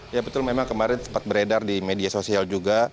ya betul memang kemarin sempat beredar di media sosial juga